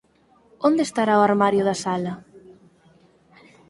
¿Onde estará o armario da sala?